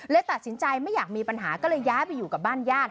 ตัดสินใจไม่อยากมีปัญหาก็เลยย้ายไปอยู่กับบ้านญาติ